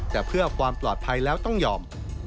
แต่เพื่อความปลอดภัยแล้วต้องยอม